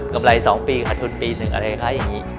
กำไร๒ปีขาดทุนปีหนึ่งอะไรคะอย่างนี้